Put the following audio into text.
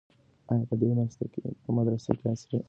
آیا په دې مدرسه کې عصري علوم هم تدریس کیږي؟